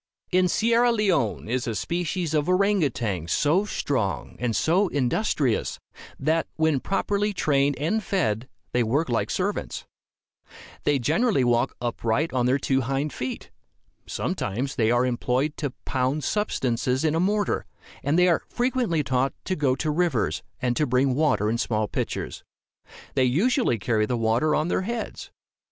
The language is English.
In Sierra Leone is a species of orang outang so strong and so industrious, that, when properly trained and fed, they work like servants. They generally walk upright on their two hind feet. Sometimes they are employed to pound substances in a mortar, and they are frequently taught to go to rivers, and to bring water in small pitchers. They usually carry the water on their heads.